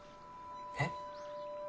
えっ？